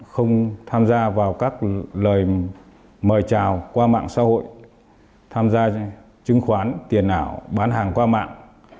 không tham gia vào các lời mời trào qua mạng xã hội tham gia chứng khoán tiền ảo bán hàng qua mạng